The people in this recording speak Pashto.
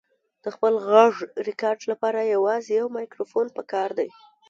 د خپل غږ ریکارډ لپاره یوازې یو مایکروفون پکار دی.